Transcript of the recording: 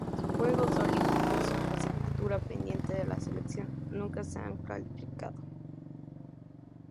Los Juegos Olímpicos son la asignatura pendiente de la selección: nunca se han clasificado.